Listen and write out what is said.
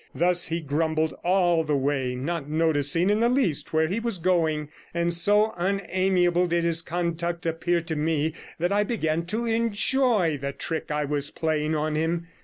Thus he grumbled all the way, not noticing in the least where he was going; and so unamiable did his conduct appear to me, that I began to enjoy the trick I was playing on him.